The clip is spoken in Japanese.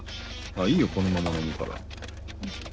いいよこのまま飲むから。